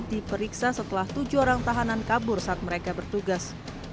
diperiksa setelah tujuh orang tahanan kabur saat mereka bertugas